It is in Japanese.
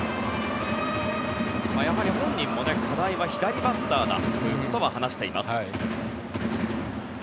やはり本人も課題は左バッターだと話しています。